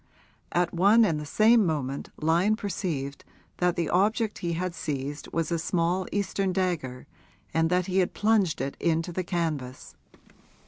At one and the same moment Lyon perceived that the object he had seized was a small Eastern dagger and that he had plunged it into the canvas.